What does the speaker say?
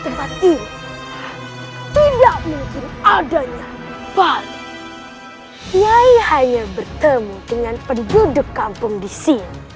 kau tidak ada waktu untuk meladenimu bocah kecil